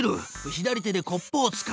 左手でコップをつかむ！